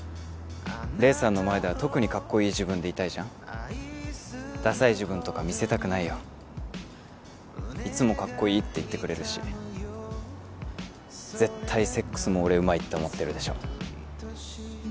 黎さんの前では特にカッコいい自分でいたいじゃんダサい自分とか見せたくないよいつもカッコいいって言ってくれるし絶対セックスも俺うまいって思ってるでしょ？